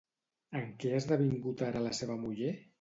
En què ha esdevingut ara la seva muller?